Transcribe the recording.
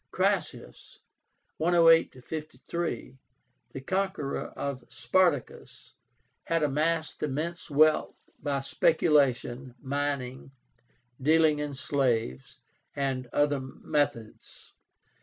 Crassus (108 53), the conqueror of Spartacus, had amassed immense wealth by speculation, mining, dealing in slaves, and other methods.